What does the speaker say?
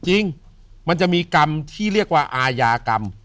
จริงมันจะมีกรรมที่เรียกว่าอาญากรรม